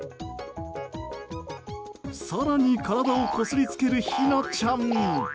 更に体をこすりつけるひなちゃん。